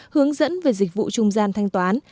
hướng dẫn về dịch vụ trung gian thanh toán